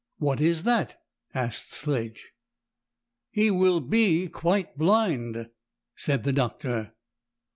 "What is that?" asked Sledge. "He will be quite blind," said the doctor.